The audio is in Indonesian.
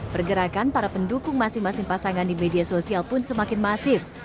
pergerakan para pendukung masing masing pasangan di media sosial pun semakin masif